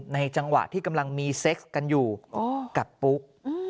จังหวะที่กำลังมีเซ็กซ์กันอยู่กับปุ๊ก